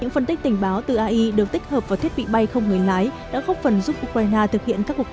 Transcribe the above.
những phân tích tình báo từ a i được tích hợp vào thiết bị bay không người lái đã góp phần giúp ukraine thực hiện các nhà máy bay